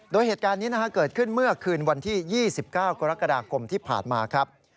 โดยเหตุการณ์นี้เกิดขึ้นเมื่อคืนวันที่๒๙กรกฎาคมที่ผ่านมาครับ